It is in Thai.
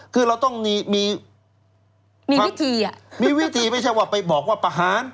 คือเราต้องมีวิธีไม่ใช่ว่าไปบอกว่าประหาร